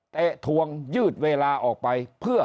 แต้ทวงยืดเวลาออกไป